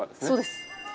そうです。